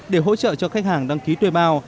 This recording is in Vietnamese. để hỗ trợ cho khách hàng đăng ký thuê bao